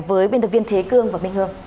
với biên tập viên thế cương và minh hương